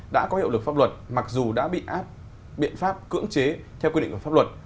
đã có hiệu lực pháp luật mặc dù đã bị áp biện pháp cưỡng chế theo quy định của pháp luật